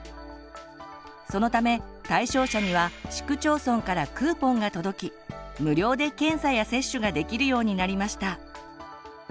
そのため対象者には市区町村からクーポンが届き無料で検査や接種ができるようになりました。